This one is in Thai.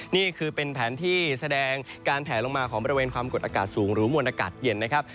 นี่คือเป็นแผนที่แสดงการแผลลงมาของบริเวณความกดอากาศสูงหรือมวลอากาศเย็นนะครับ